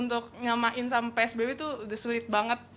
untuk nyamain sama psbb tuh udah sulit banget